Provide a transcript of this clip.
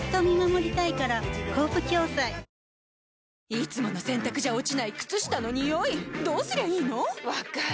いつもの洗たくじゃ落ちない靴下のニオイどうすりゃいいの⁉分かる。